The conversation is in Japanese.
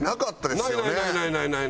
ないない！